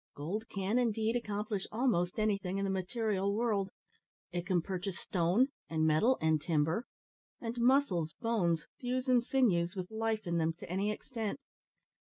Gold can, indeed, accomplish almost anything in the material world it can purchase stone, and metal, and timber; and muscles, bones, thews, and sinews, with life in them, to any extent.